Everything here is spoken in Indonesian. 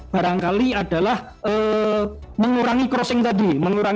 barangkali adalah mengurangi crossing tadi